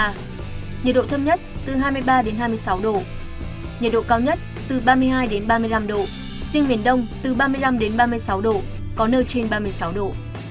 nhiệt độ thấp nhất từ hai mươi ba đến hai mươi sáu độ nhiệt độ cao nhất từ ba mươi hai ba mươi năm độ riêng miền đông từ ba mươi năm ba mươi sáu độ có nơi trên ba mươi sáu độ